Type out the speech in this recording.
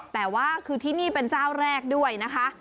แต่ว่าคือที่นี่เป็นเจ้าแรกด้วยนะคะ